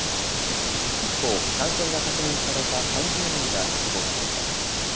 一方、感染が確認された３０人が死亡しました。